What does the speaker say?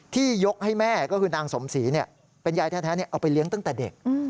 ยกให้แม่ก็คือนางสมศรีเป็นยายแท้เอาไปเลี้ยงตั้งแต่เด็ก